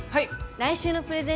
来週のプレゼン